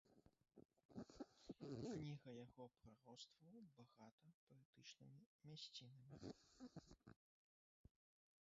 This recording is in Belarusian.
Кніга яго прароцтваў багата паэтычнымі мясцінамі.